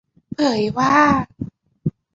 เผยว่า